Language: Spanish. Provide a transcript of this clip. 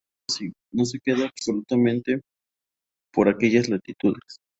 Eso sí, no se queda solamente por aquellas latitudes.